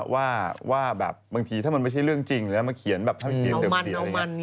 ว่าบางทีถ้ามันไม่ใช่เรื่องจริงเขียนแบบให้เคียงแสงเสีย